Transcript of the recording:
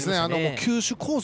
球種、コース